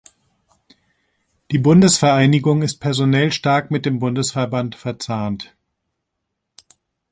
Die Bundesvereinigung ist personell stark mit dem Bundesverband verzahnt.